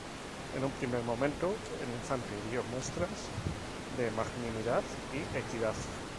En un primer momento el infante dio muestras de magnanimidad y equidad.